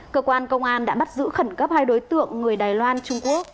cơ quan công an đã bắt giữ khẩn cấp hai đối tượng người đài loan trung quốc